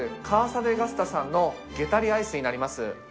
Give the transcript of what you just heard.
カーサ・デ・ガスタさんのゲタリアイスになります。